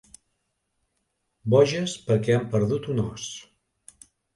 Boges perquè han perdut un os.